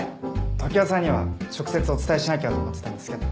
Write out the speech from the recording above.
常盤さんには直接お伝えしなきゃと思ってたんですけど。